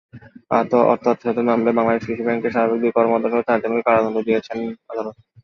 অর্থ আত্মসাতের মামলায় বাংলাদেশ কৃষি ব্যাংকের সাবেক দুই কর্মকর্তাসহ চারজনকে কারাদণ্ড দিয়েছেন আদালত।